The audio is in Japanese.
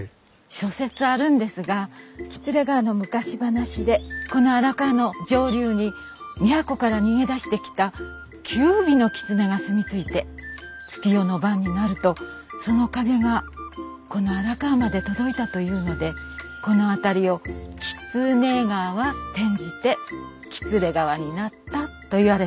諸説あるんですが喜連川の昔話でこの荒川の上流に都から逃げ出してきた九尾のきつねが住み着いて月夜の晩になるとその影がこの荒川まで届いたというのでこの辺りをきつね川転じてきつれ川になったといわれてます。